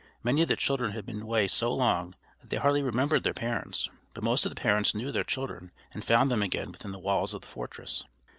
Many of the children had been away so long that they hardly remembered their parents, but most of the parents knew their children, and found them again within the walls of the fortress.